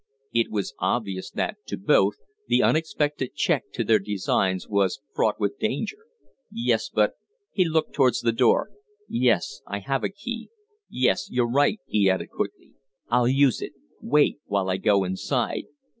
It was obvious that, to both, the unexpected check to their designs was fraught with danger. "Yes, but " He looked towards the door. "Yes I have a key. Yes, you're right!" he added, quickly. "I'll use it. Wait, while I go inside."